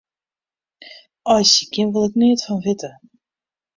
Aaisykjen wol ik neat fan witte.